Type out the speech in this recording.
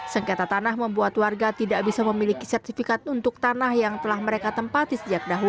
sengketa tanah membuat warga tidak bisa memiliki sertifikat untuk tanah yang telah mereka tempati sejak dahulu